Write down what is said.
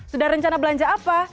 sudah rencana belanja apa